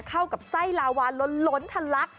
เข้ากับไส้ลาวาลล้นทะลัก